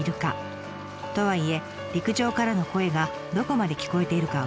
とはいえ陸上からの声がどこまで聞こえているかは分かりません。